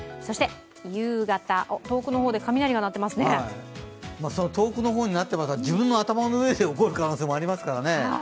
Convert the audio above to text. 夕方、遠くの方で雷が鳴ってますねその遠くの方になってますが、自分の頭の上で起こる可能性もありますからね。